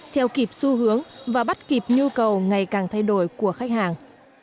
theo kịp xu hướng và bắt kịp nhu cầu ngày càng thay đổi của khách hàng